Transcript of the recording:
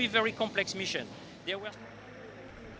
dalam misi yang sangat kompleks